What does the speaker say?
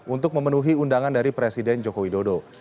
untuk memenuhi undangan dari presiden jokowi dodo